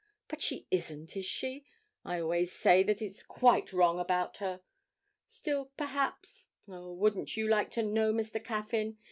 But she isn't, is she? I always say that is quite a wrong idea about her. Still perhaps Oh, wouldn't you like to know Mr. Caffyn?